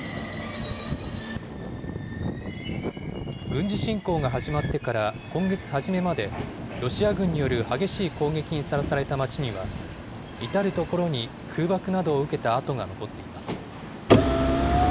軍事侵攻が始まってから今月初めまで、ロシア軍による激しい攻撃にさらされた街には、至る所に空爆などを受けた跡が残っています。